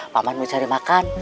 paman mau cari makan